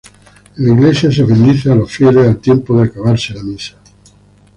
En la iglesia se bendice a los fieles al tiempo de acabarse la misa.